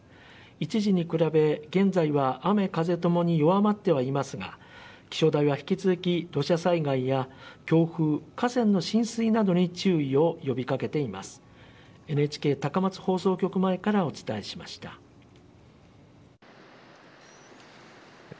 一時に比べ、現在は雨風ともに弱まってはいますが気象台は引き続き土砂災害や強風、河川の浸水などに注意を呼びかけています。